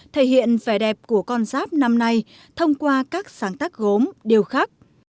thể hiện vẻ đẹp của con giáp năm nay thông qua các sáng tác gốm điều khác